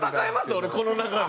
俺この中で。